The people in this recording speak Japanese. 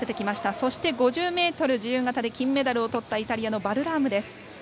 そして、５０ｍ自由形で金メダルをとったイタリアのバルラームです。